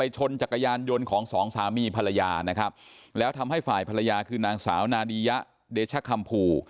ชนจักรยานยนต์ของสองสามีภรรยานะครับแล้วทำให้ฝ่ายภรรยาคือนางสาวนาดียะเดชะคัมภู